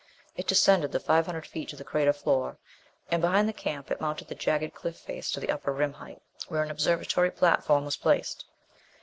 It descended the five hundred feet to the crater floor; and, behind the camp, it mounted the jagged cliff face to the upper rim height, where a small observatory platform was placed.